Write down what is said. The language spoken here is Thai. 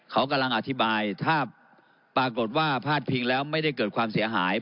เขากำลังอธิบายถ้าปรากฏว่าพาดพิงแล้วไม่ได้เกิดความเสียหาย